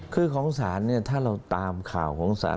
คือของสารถ้าเราตามข่าวของสาร